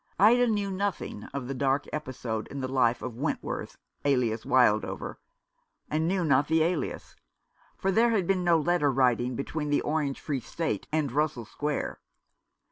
Ida knew nothing of the dark episode in the life of Wentworth, alias Wildover — and knew not the alias ; for there had been no letter writing between the Orange Free State and Russell Square.